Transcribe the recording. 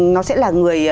nó sẽ là người